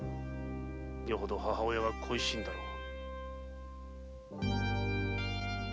よほど母親が恋しいのだろう。